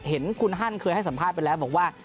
เห็นคุณฮั่นเคยให้สัมภาษณ์ไปแล้วบอกว่า